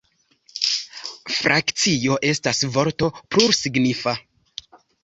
Frakcio estas vorto plursignifa.